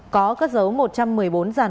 có cất dấu một trăm một mươi bốn giàn pháo